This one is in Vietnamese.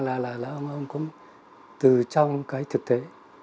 là ông cũng từ trong cái thực tế